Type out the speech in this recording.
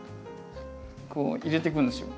こう入れていくんですよ。